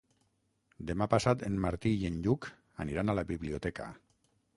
Demà passat en Martí i en Lluc aniran a la biblioteca.